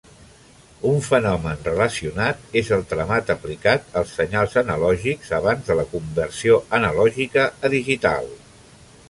Un fenomen relacionat és el tramat aplicat als senyals analògics abans de la conversió analògica a digital.